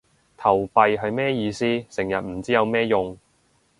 投幣係咩意思？成日唔知有咩用